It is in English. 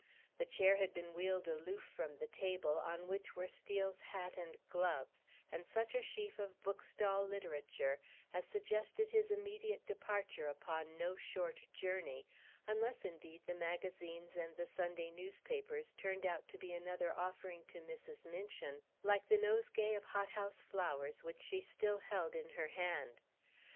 The chair had been wheeled aloof from the table, on which were Steel's hat and gloves, and such a sheaf of book stall literature as suggested his immediate departure upon no short journey, unless, indeed, the magazines and the Sunday newspapers turned out to be another offering to Mrs. Minchin, like the nosegay of hothouse flowers which she still held in her hand.